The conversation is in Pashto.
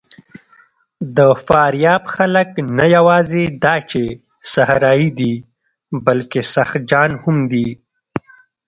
د فاریاب خلک نه یواځې دا چې صحرايي دي، بلکې سخت جان هم دي.